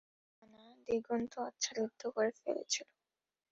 প্রতিটি ডানা দিগন্ত আচ্ছাদিত করে ফেলেছিল।